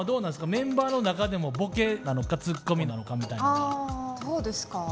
メンバーの中でもボケなのかツッコミなのかみたいなんは。